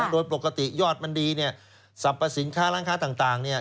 โดยปกติยอดมันดีเนี่ยสรรพสินค้าร้านค้าต่างเนี่ย